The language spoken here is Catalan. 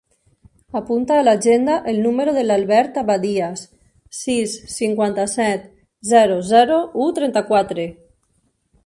Apunta a l'agenda el número de l'Albert Abadias: sis, cinquanta-set, zero, zero, u, trenta-quatre.